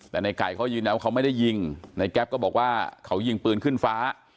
แต่ในไก่เขายืนยันว่าเขาไม่ได้ยิงในแก๊ปก็บอกว่าเขายิงปืนขึ้นฟ้า